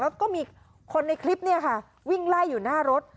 แล้วก็มีคนในคลิปเนี่ยค่ะวิ่งไล่อยู่หน้ารถ